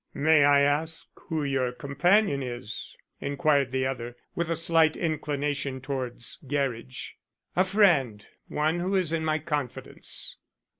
"May I ask who your companion is?" inquired the other, with a slight inclination towards Gerridge. "A friend; one who is in my confidence."